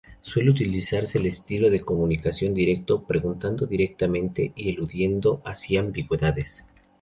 Suele utilizarse el estilo de comunicación directo; preguntando directamente y eludiendo así ambigüedades.